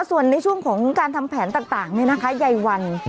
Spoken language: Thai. ส่วนในช่วงของการทำแผลต่างนี่นะคะยายวัน